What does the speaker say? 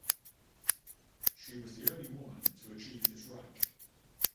She was the only woman to achieve this rank.